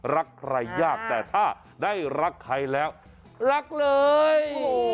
รักใครยากแต่ถ้าได้รักใครแล้วรักเลย